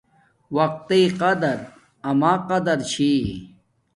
وقت تݵ قدر اما قدر چھی